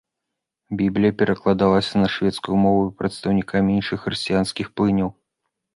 Біблія перакладалася на шведскую мову і прадстаўнікамі іншых хрысціянскіх плыняў.